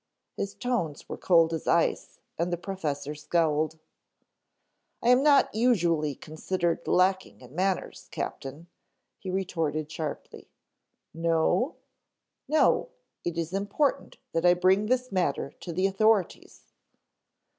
His tones were cold as ice and the professor scowled. "I am not usually considered lacking in manners, Captain," he retorted sharply. "No?" "No. It is important that I bring this matter to the authorities."